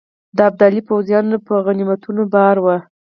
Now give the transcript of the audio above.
د ابدالي پوځیان په غنیمتونو بار وه.